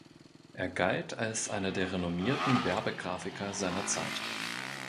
Er galt als einer der renommierten Werbegrafiker seiner Zeit.